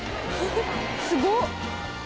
すごっ！